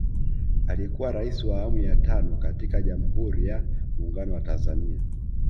Aliyekuwa Rais wa awamu ya tano katika Jamuhuri ya Munguno wa Tanzania